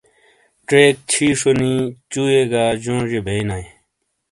چیک چھِیشونی چُوئیے گہ جونجیئے بیئینایئے۔